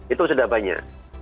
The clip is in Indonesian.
itu sudah banyak